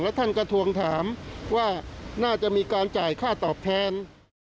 ท่านก็ทวงถามว่าน่าจะมีการจ่ายค่าตอบแทน